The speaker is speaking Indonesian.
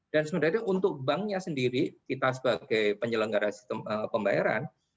dan sebenarnya untuk banknya sendiri kita sebagai penyelenggara sistem pembayaran